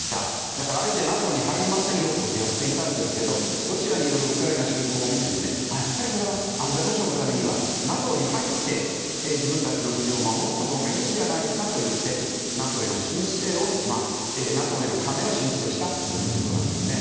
だから、あえてＮＡＴＯに入りませんよとやっていたんですがロシアによるウクライナ侵攻を見てやっぱりこれは安全保障のためにはＮＡＴＯに入って自分たちの国を守ったほうがいいんじゃないかとしてＮＡＴＯへの加盟を申請したということなんです。